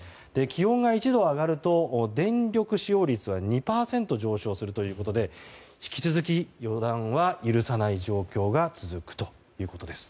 気温が１度上がると電力使用率は２％上昇するということで引き続き予断は許さない状況が続くということです。